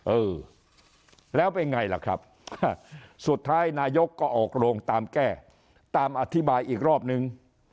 เออแล้วเป็นไงล่ะครับสุดท้ายนายกก็ออกโรงตามแก้ตามอธิบายอีกรอบนึง